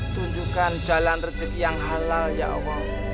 tunjukkan jalan rejeki yang halal ya allah